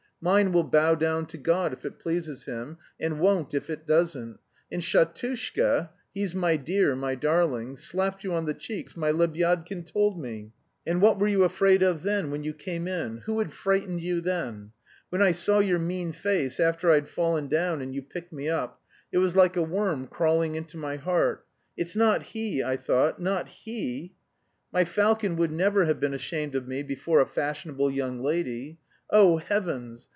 Mine will bow down to God if it pleases him, and won't if it doesn't. And Shatushka (he's my dear, my darling!) slapped you on the cheeks, my Lebyadkin told me. And what were you afraid of then, when you came in? Who had frightened you then? When I saw your mean face after I'd fallen down and you picked me up it was like a worm crawling into my heart. It's not he, I thought, not he! My falcon would never have been ashamed of me before a fashionable young lady. Oh heavens!